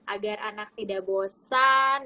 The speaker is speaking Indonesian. agar anak tidak bosan